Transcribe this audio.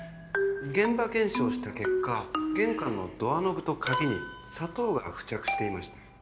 現場検証した結果玄関のドアノブと鍵に砂糖が付着していました。